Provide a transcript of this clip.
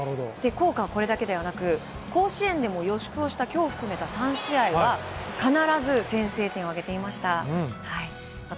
効果はこれだけでなく、甲子園で予祝をした、試合は、必ず先制点を挙げていました。